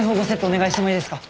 お願いしてもいいですか？